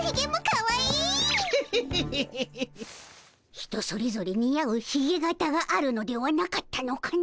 人それぞれ似合うひげ形があるのではなかったのかの？